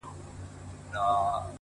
• که پر مځکه ګرځېدل که په هوا وه ,